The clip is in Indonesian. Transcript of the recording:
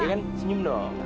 iya kan senyum dong